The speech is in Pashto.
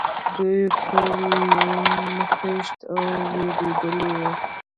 دوی ټول لوند، خېشت او وېرېدلي و.